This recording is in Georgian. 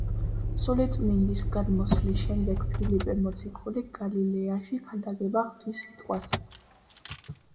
სულიწმინდის გადმოსვლის შემდეგ ფილიპე მოციქული გალილეაში ქადაგებდა ღვთის სიტყვას.